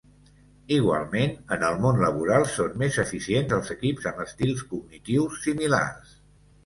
Igualment, en el món laboral són més eficients els equips amb estils cognitius similars.